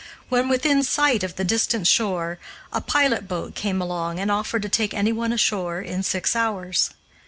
When within sight of the distant shore, a pilot boat came along and offered to take anyone ashore in six hours.